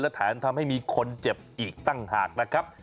และแถมทำให้มีคนเจ็บอีกต่างหากนะครับ